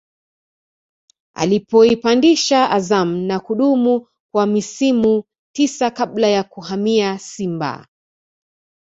alipoipandisha Azam na kudumu kwa misimu tisa kabla ya kuhamia Simba